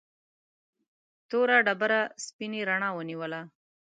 توره ډبره سپینې رڼا ونیوله.